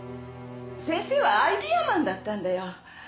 先生はアイデアマンだったんだよ。